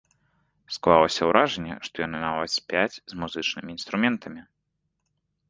Склалася ўражанне, што яны нават спяць з музычнымі інструментамі.